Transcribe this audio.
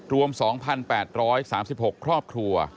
รวม๒๘๓๖ครอบครัว